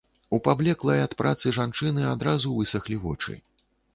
У паблеклай ад працы жанчыны адразу высахлі вочы.